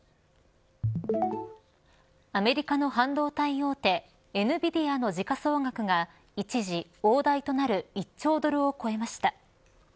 アメリカの半導体大手エヌビディアの時価総額が一時、大台となる１兆ドルを超えました。